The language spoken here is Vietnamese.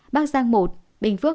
bắc giang một bình phước hai